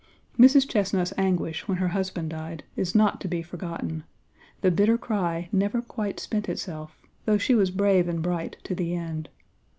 "Mrs. Chesnut's anguish when her husband died, is not to be forgotten; the 'bitter cry' never quite spent itself, though she was brave and bright to the end.